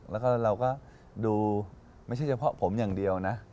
แล้วก็เราก็ดูไม่ใช่เฉพาะผมอย่างเดียวนะ